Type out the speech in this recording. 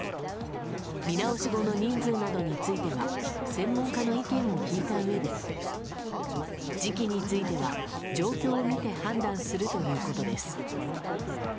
見直し後の人数などについては専門家の意見を聞いたうえで時期については、状況を見て判断するということです。